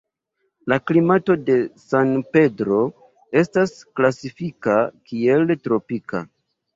La klimato de San Pedro estas klasifikita kiel tropika.